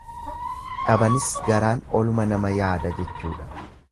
Dhabanis garaan oluma nama yaada jechuudha.